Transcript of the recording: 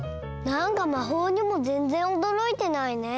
なんかまほうにもぜんぜんおどろいてないね。